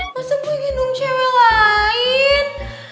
masa boy gendung cewek lain